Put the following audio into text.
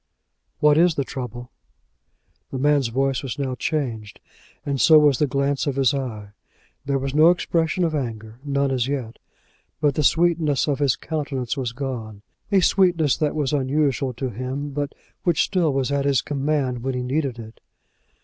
"What is the trouble?" The man's voice was now changed, and so was the glance of his eye. There was no expression of anger, none as yet; but the sweetness of his countenance was gone, a sweetness that was unusual to him, but which still was at his command when he needed it.